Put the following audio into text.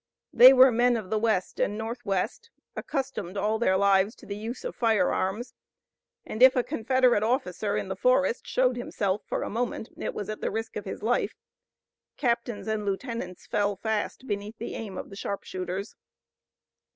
They were men of the west and northwest, accustomed all their lives to the use of firearms, and if a Confederate officer in the forest showed himself for a moment it was at the risk of his life. Captains and lieutenants fell fast beneath the aim of the sharpshooters.